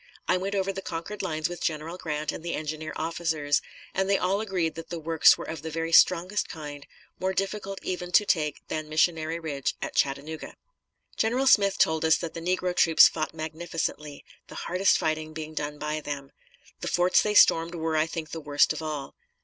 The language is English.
I went over the conquered lines with General Grant and the engineer officers, and they all agreed that the works were of the very strongest kind, more difficult even to take than Missionary Ridge at Chattanooga. General Smith told us that the negro troops fought magnificently, the hardest fighting being done by them. The forts they stormed were, I think, the worst of all.